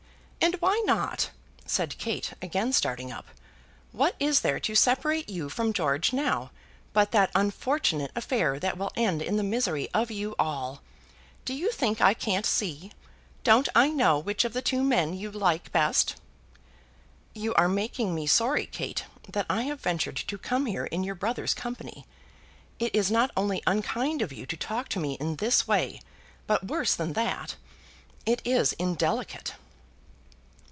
"And why not?" said Kate, again starting up. "What is there to separate you from George now, but that unfortunate affair, that will end in the misery of you all. Do you think I can't see? Don't I know which of the two men you like best?" "You are making me sorry, Kate, that I have ventured to come here in your brother's company. It is not only unkind of you to talk to me in this way, but worse than that it is indelicate."